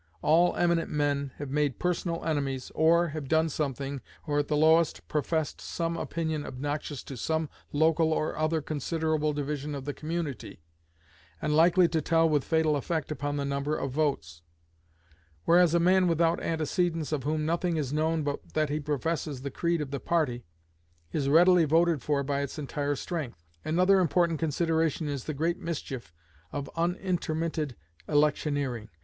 All eminent men have made personal enemies, or, have done something, or at the lowest, professed some opinion obnoxious to some local or other considerable division of the community, and likely to tell with fatal effect upon the number of votes; whereas a man without antecedents, of whom nothing is known but that he professes the creed of the party, is readily voted for by its entire strength. Another important consideration is the great mischief of unintermitted electioneering.